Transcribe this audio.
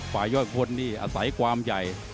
ขวายย่อยกภูเขาในที่อาศัยความใหญ่